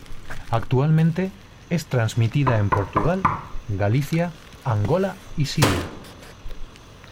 Actualmente es transmitida en Portugal, Galicia, Angola y Siria.